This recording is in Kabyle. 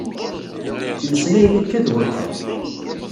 Ttmeslayen akka d wakka.